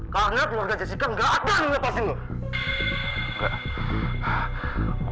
karena keluarga jessica gak akan lu lepasin lu